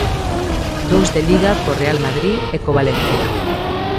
Dous de Liga co Real Madrid e co Valencia.